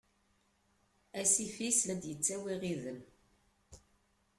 Asif-is, la d-yettawi iɣiden.